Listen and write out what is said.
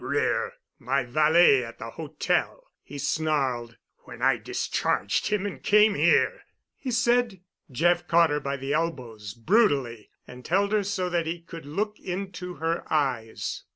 "Greer—my valet at the hotel," he snarled, "when I discharged him and came here." "He said——?" Jeff caught her by the elbows—brutally—and held her so that he could look into her eyes.